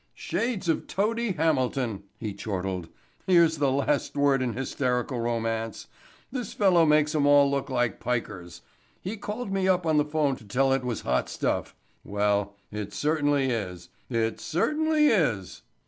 "Shades of Tody Hamilton," he chortled. "Here's the last word in hysterical romance. This fellow makes 'em all look like pikers. He called me up on the phone to tell it was hot stuff. Well, it certainly is. It certainly is."